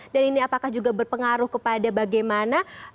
dan ini apakah juga berpengaruh kepada bagaimana